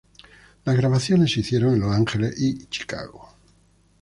Las grabaciones se hicieron en Los Ángeles y Chicago.